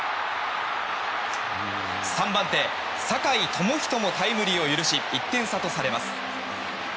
３番手、酒居知史もタイムリーを許し１点差とされます。